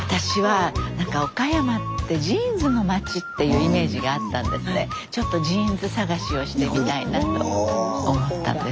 スタジオちょっとジーンズ探しをしてみたいなと思ったんです。